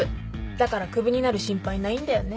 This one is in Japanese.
だからクビになる心配ないんだよね。